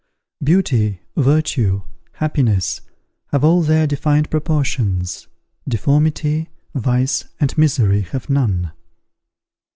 Beauty, virtue, happiness, have all their defined proportions; deformity, vice, and misery have none.